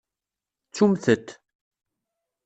Ttumt-t.